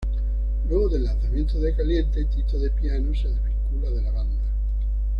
Luego del lanzamiento de Caliente, Tito de Piano se desvincula de la banda.